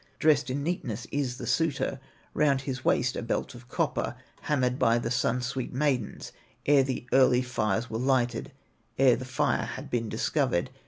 Dressed in neatness is the suitor, Round his waist a belt of copper, Hammered by the Sun's sweet maidens, Ere the early fires were lighted, Ere the fire had been discovered.